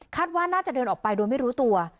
ว่าน่าจะเดินออกไปโดยไม่รู้ตัว